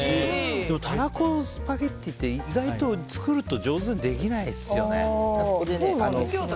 でも、タラコスパゲティって意外と、作ると上手にできないんですよね。